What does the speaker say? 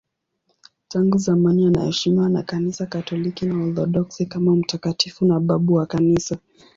Tangu zamani anaheshimiwa na Kanisa Katoliki na Waorthodoksi kama mtakatifu na babu wa Kanisa.